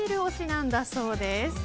なんだそうです。